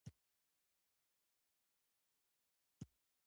ګوره! واظيفې ته پر وخت راځه او پر وخت ځه!